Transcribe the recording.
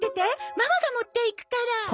ママが持っていくから。